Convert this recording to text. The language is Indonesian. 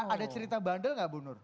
ada cerita bandel nggak bu nur